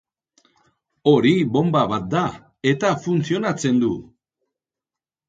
Hori bonba bat da, eta funtzionatzen du.